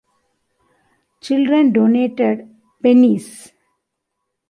Children donated pennies.